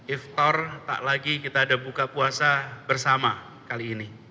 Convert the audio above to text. iftar tak lagi kita ada buka puasa bersama kali ini